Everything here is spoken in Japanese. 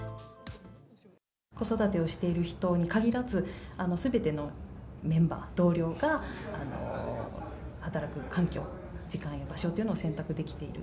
子育てをしている人に限らず、すべてのメンバー、同僚が、働く環境、時間や場所というのを選択できている。